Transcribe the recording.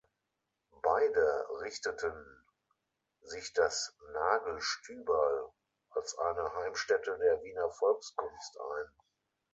Beide richteten sich das „Nagl-Stüberl“ als eine Heimstätte der Wiener Volkskunst ein.